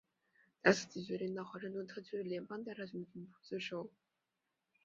达斯奇决定到华盛顿特区的联邦调查局总部自首。